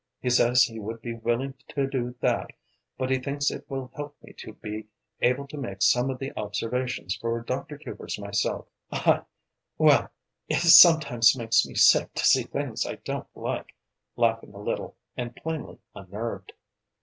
He says he would be willing to do that, but he thinks it will help me to be able to make some of the observations for Dr. Hubers myself. I well, it sometimes makes me sick to see things I don't like," laughing a little, and plainly unnerved.